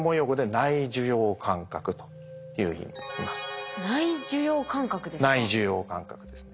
内受容感覚ですね。